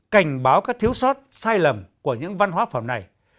cảnh báo các thiếu sót sai lầm của những văn hóa phẩm này